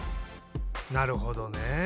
なるほどね。